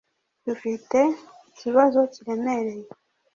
"Dufite ikibazo kiremereye